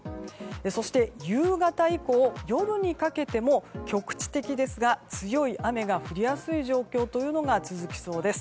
そして、夕方以降夜にかけても局地的ですが強い雨が降りやすい状況というのが続きそうです。